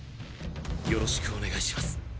よろしくお願いします。